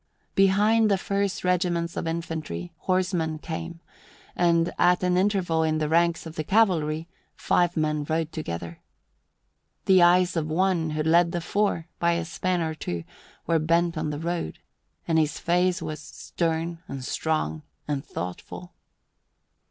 Behind the first regiments of infantry, horsemen came, and, at an interval in the ranks of the cavalry, five men rode together. The eyes of one, who led the four by a span or two, were bent on the road, and his face was stern and strong and thoughtful.